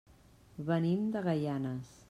Venim de Gaianes.